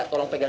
satu raus salam